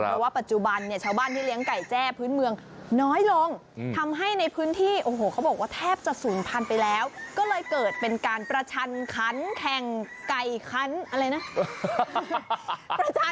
เพราะว่าปัจจุบันเนี่ยชาวบ้านที่เลี้ยงไก่แจ้พื้นเมืองน้อยลงทำให้ในพื้นที่โอ้โหเขาบอกว่าแทบจะศูนย์พันธุ์ไปแล้วก็เลยเกิดเป็นการประชันคันแข่งไก่คันอะไรนะ